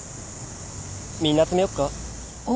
みんな集めようか？